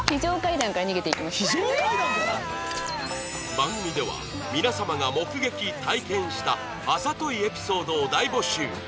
番組では皆様が目撃体験したあざといエピソードを大募集！